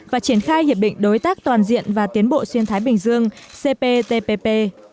và triển khai hiệp định đối tác toàn diện và tiến bộ xuyên thái bình dương cptpp